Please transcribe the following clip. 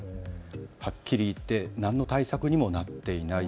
はっきり言って何の対策にもなっていない。